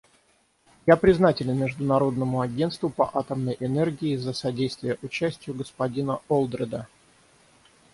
Я признателен Международному агентству по атомной энергии за содействие участию господина Олдреда.